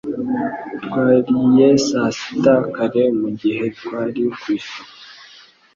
Twariye saa sita kare mugihe twari ku isoko.